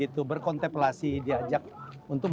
kita mempengaruhi donega bibeska